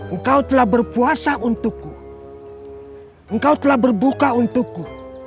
engkau telah berpuasa untukku engkau telah berbuka untukku